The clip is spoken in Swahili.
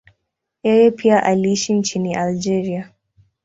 Yeye pia aliishi nchini Algeria.